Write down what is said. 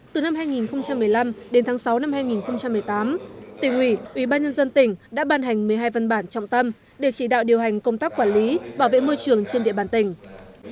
từ năm hai nghìn một mươi năm đến tháng sáu năm hai nghìn một mươi tám tỉnh ủy ủy ban nhân dân tỉnh đã ban hành một mươi hai văn bản trọng tâm để chỉ đạo điều hành công tác quản lý bảo vệ môi trường trên địa bàn tỉnh